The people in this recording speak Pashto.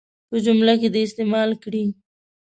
په جملو کې دې یې استعمال کړي.